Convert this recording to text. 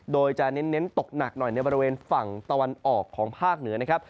โดยจะเน้นตกหนักหน่อยในบริเวณฝั่งตะวันออกของภาคเหนือนะครับ